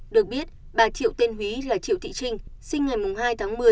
được biết bà triệu tên quý là triệu thị trinh sinh ngày hai tháng một mươi